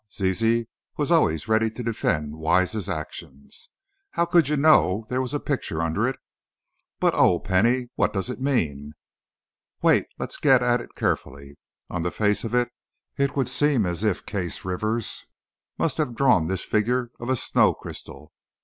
Zizi was always ready to defend Wise's actions. "How could you know there was a picture under it? But, oh, Penny, what does it mean?" "Wait, let's get at it carefully. On the face of it, it would seem as if Case Rivers must have drawn this figure of a snow crystal.